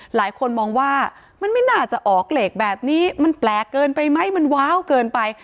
หลายคนมองว่ามันไม่น่าจะออกเหลกแบบนี้มันแปลกเกินไปไหมมันว้าวเกินไป